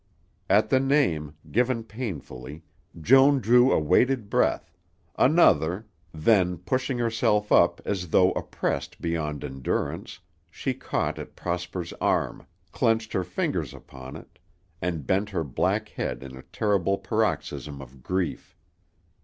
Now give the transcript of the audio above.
At the name, given painfully, Joan drew a weighted breath, another, then, pushing herself up as though oppressed beyond endurance, she caught at Prosper's arm, clenched her fingers upon it, and bent her black head in a terrible paroxysm of grief.